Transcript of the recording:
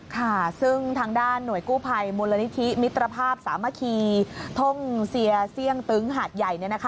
ค่ะซึ่งทางด้านหน่วยกู้ภัยมูลนิธิมิตรภาพสามัคคีท่งเซียเสี่ยงตึงหาดใหญ่